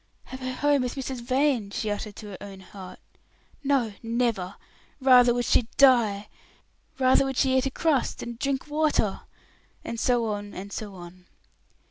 "Have her home with Mrs. Vane!" she uttered to her own heart; "No, never; rather would she die rather would she eat a crust and drink water!" and so on, and so on.